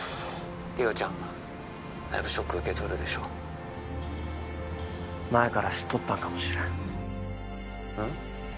だいぶショック受けとるでしょう前から知っとったんかもしれんうん？